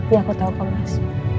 ya aku tahu kok mas